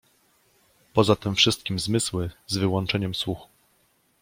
Poza tym wszystkim zmysły, z wyłączeniem słuchu